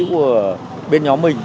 của bên nhóm mình